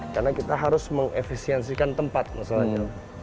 karena kita harus mengefisiensikan tempat misalnya